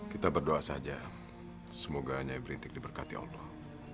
kita berdoa saja semoga nyai berintik diberkati allah